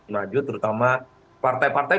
maju terutama partai partai